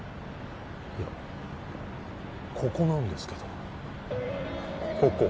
いやここなんですけどここ？